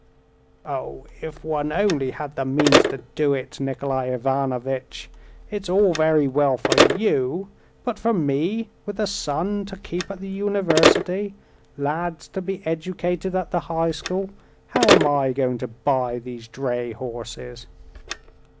"Oh, if one only had the means to do it, Nikolay Ivanovitch! It's all very well for you; but for me, with a son to keep at the university, lads to be educated at the high school—how am I going to buy these dray horses?"